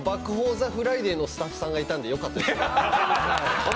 ＴＨＥフライデー」のスタッフさんがいたのでよかったです。